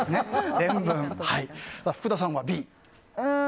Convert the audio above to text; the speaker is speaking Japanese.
福田さんはＢ。